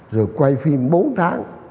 rồi quay phim bốn tháng